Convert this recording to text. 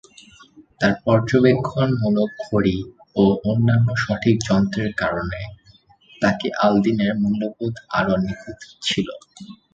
তাঁর পর্যবেক্ষণমূলক ঘড়ি এবং অন্যান্য সঠিক যন্ত্রের কারণে তাকি আল-দীনের মূল্যবোধ আরো নিখুঁত ছিল।